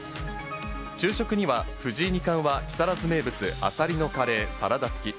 昼食には、藤井二冠は木更津名物、あさりのカレーサラダ付き。